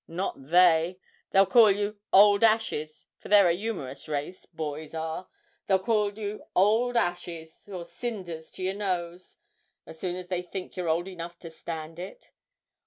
not they they'll call you "Old Ashes" for they're a yumorous race, boys are, they'll call you "Old Ashes," or "Cinders" to your nose, as soon as they think you're old enough to stand it.